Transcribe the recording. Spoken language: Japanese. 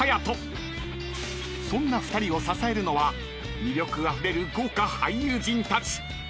［そんな２人を支えるのは魅力あふれる豪華俳優陣たち］